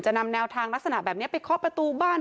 นำแนวทางลักษณะแบบนี้ไปเคาะประตูบ้าน